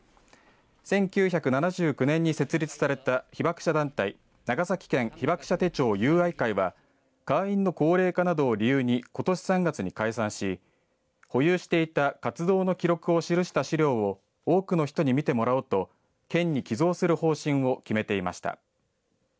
１９７９年に設立された被爆者団体、長崎県被爆者手帳友愛会は会員の高齢化などを理由にことし３月に解散し保有していた活動の記録を記した資料を多くの人に見てもらおうと県に寄贈する方針を決めていました。